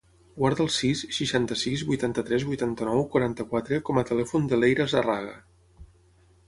Guarda el sis, seixanta-sis, vuitanta-tres, vuitanta-nou, quaranta-quatre com a telèfon de l'Eira Zarraga.